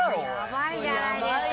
やばいじゃないですか！